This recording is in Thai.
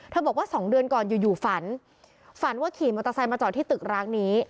บอกว่า๒เดือนก่อนอยู่อยู่ฝันฝันว่าขี่มอเตอร์ไซค์มาจอดที่ตึกร้างนี้